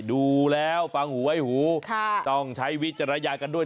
ดูแล้วฟังหูไว้หูต้องใช้วิจารณญากันด้วย